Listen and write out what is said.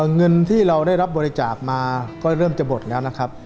เงินที่เราได้รับบริจาคมาก็เริ่มจะหมดแล้วนะครับ